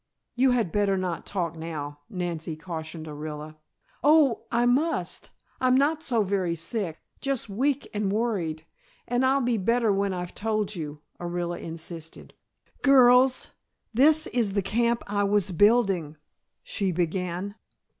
"You had better not talk now," Nancy cautioned Orilla. "Oh, I must; I'm not so very sick, just weak and worried, and I'll be better when I've told you," Orilla insisted. "Girls, this is the camp I was building," she began.